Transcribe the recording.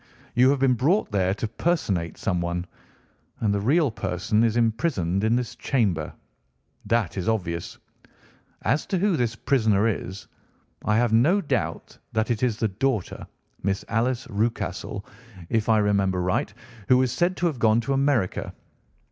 You have been brought there to personate someone, and the real person is imprisoned in this chamber. That is obvious. As to who this prisoner is, I have no doubt that it is the daughter, Miss Alice Rucastle, if I remember right, who was said to have gone to America.